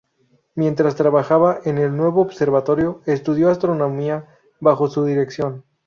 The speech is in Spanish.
Mientras trabajaba en el nuevo observatorio, estudió astronomía bajo su dirección.